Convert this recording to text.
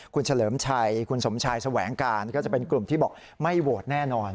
คุณเฉลิมชัยคุณสมชายแสวงการก็จะเป็นกลุ่มที่บอกไม่โหวตแน่นอน